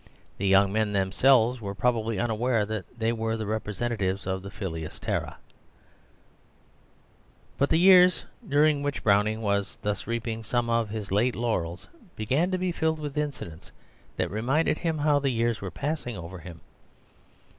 The young men themselves were probably unaware that they were the representatives of the "Filius Terrae." But the years during which Browning was thus reaping some of his late laurels began to be filled with incidents that reminded him how the years were passing over him.